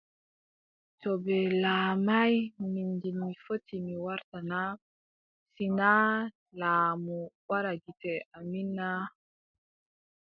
To ɓe laamaay Minjil mi fotti mi warta na ? Si naa laamu waɗa gite amin naa ?